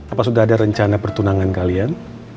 apa sudah ada rencana pertunangan kalian